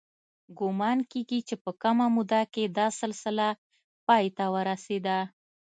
ګومان کېږي چې په کمه موده کې دا سلسله پای ته ورسېده